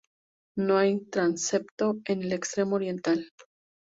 No hay transepto en el extremo oriental.